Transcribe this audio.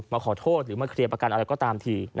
มาขอโทษหรือมาเคลียร์ประกันอะไรก็ตามที